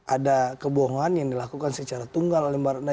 ada kebohongan yang dilakukan secara tunggal oleh mbak ratna